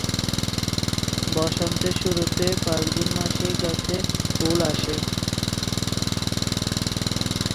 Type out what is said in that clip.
বসন্তের শুরুতে ফাল্গুন মাসে গাছে ফুল আসে।